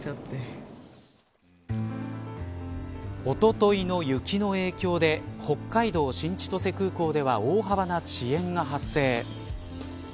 おとといの雪の影響で北海道、新千歳空港では大幅な遅延が発生。